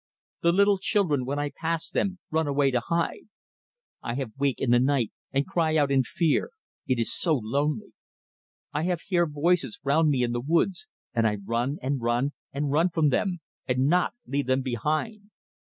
The little children when I pass them run away to hide. I have wake in the night and cry out in fear, it is so lonely. I have hear voices round me in the woods, and I run and run and run from them, and not leave them behind.